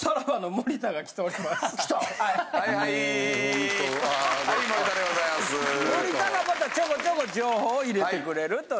森田がまたちょこちょこ情報を入れてくれるという。